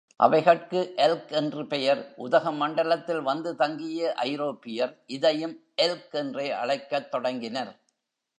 அவைகட்கு elk என்று பெயர், உதகமண்டலத்தில் வந்து தங்கிய ஐரோப்பியர் இதையும் எல்க் என்றே அழைக்கத் தொடங்கினர்.